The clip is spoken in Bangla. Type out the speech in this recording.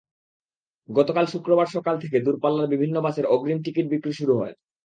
গতকাল শুক্রবার সকাল থেকে দূরপাল্লার বিভিন্ন বাসের অগ্রিম টিকিট বিক্রি শুরু হয়।